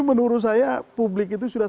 menurut saya publik itu sudah